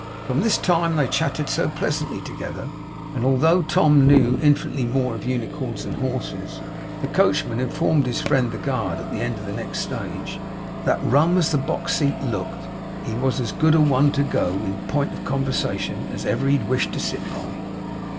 From this time they chatted so pleasantly together, that although Tom knew infinitely more of unicorns than horses, the coachman informed his friend the guard at the end of the next stage, 'that rum as the box seat looked, he was as good a one to go, in pint of conversation, as ever he'd wish to sit by.